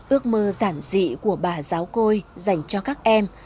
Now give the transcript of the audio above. ước mơ giản dị của bà giáo côi dành cho các em